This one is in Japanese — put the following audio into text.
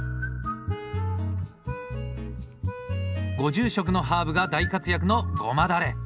ご住職のハーブが大活躍のゴマダレ！